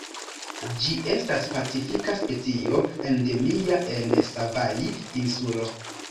Ĝi estas pacifika specio, endemia en Savaii-Insulo.